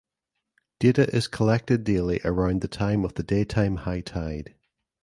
Data is collected daily around the time of the daytime high tide.